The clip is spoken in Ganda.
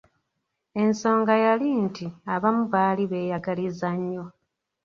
Ensonga yali nti abamu baali beeyagaliza nnyo.